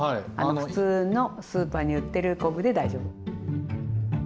普通のスーパーに売ってる昆布で大丈夫。